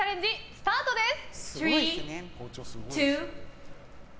スタートです。